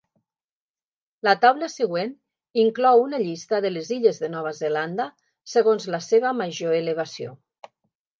La taula següent inclou una llista de les illes de Nova Zelanda segons la seva major elevació.